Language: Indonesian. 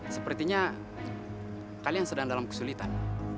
sepertinya kalian sedang dalam kesulitan